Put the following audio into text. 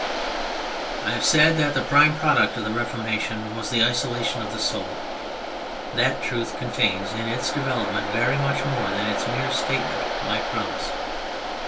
_" I have said that the prime product of the Reformation was the isolation of the soul. That truth contains, in its development, very much more than its mere statement might promise.